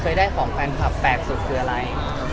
ได้ของแฟนคลับแปลกสุดคืออะไร